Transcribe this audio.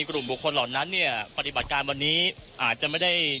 กลุ่มบุคคลเหล่านั้นเนี่ยปฏิบัติการวันนี้อาจจะไม่ได้